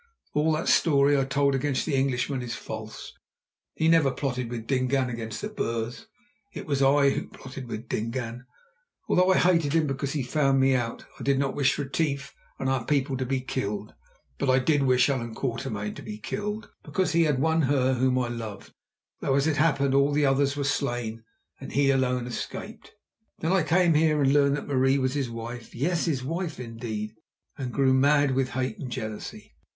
All that story I told against the Englishman is false. He never plotted with Dingaan against the Boers. It was I who plotted with Dingaan. Although I hated him because he found me out, I did not wish Retief and our people to be killed. But I did wish Allan Quatermain to be killed, because he had won her whom I loved, though, as it happened, all the others were slain, and he alone escaped. Then I came here and learned that Marie was his wife—yes, his wife indeed—and grew mad with hate and jealousy.